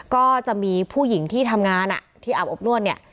ก็จะมีผู้หญิงที่ทำงานที่อาบอบนวดเนี่ย